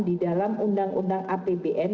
di dalam undang undang apbn